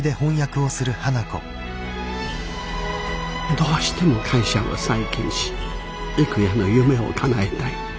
どうしても会社を再建し郁弥の夢をかなえたい。